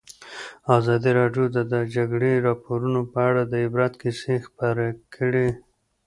ازادي راډیو د د جګړې راپورونه په اړه د عبرت کیسې خبر کړي.